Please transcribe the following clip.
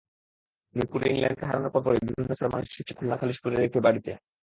মিরপুরে ইংল্যান্ডকে হারানোর পরপরই বিভিন্ন স্তরের মানুষ ছুটছে খুলনার খালিশপুরের একটি বাড়িতে।